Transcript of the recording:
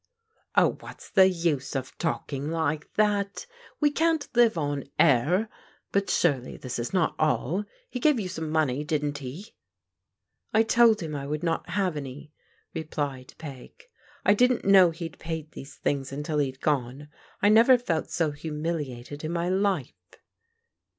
" Oh, what's the use of talking like that ? We can't live on air. But surely this is not all. He gave you somt money, didn't he ?"" I told him I would not have any," replied Peg. " I didn't know he'd paid these things until he'd gone. I never felt so humiliated in my life."